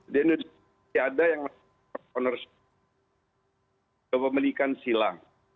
di indonesia tidak ada yang memiliki silang